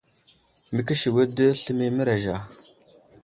Məkəsewiɗ di sləmay i mərez Ja.